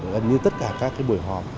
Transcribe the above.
gần như tất cả các buổi họp